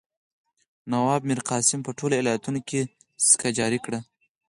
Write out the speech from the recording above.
نواب میرقاسم په ټولو ایالتونو کې سکه جاري کړه.